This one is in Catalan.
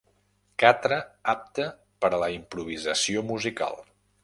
Catre apte per a la improvisació musical.